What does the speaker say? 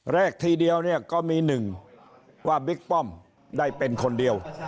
ทีเดียวเนี่ยก็มีหนึ่งว่าบิ๊กป้อมได้เป็นคนเดียว